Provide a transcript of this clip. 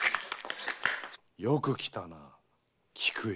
よく来たな菊絵。